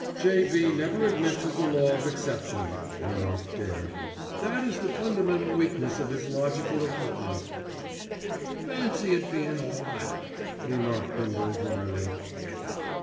"J.B. never admits of the law of exception," remarked Dare. "That is the fundamental weakness of his logical equipment." "Fancy it bein' all that," remarked Bindle drily.